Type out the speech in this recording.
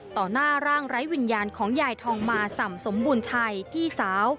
หน้าร่างไร้วิญญาณของยายทองมาส่ำสมบูรณ์ชัยพี่สาว